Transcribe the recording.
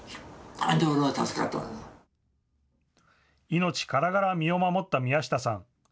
命からがら身を守った宮下さん。